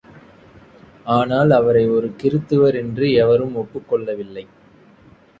ஆனால், அவரை ஒரு கிறித்துவர் என்று எவரும் ஒப்புக் கொள்ளவில்லை.